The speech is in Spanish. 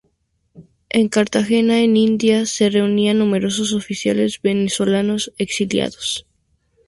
En Cartagena de Indias se reunían numerosos oficiales venezolanos exiliados.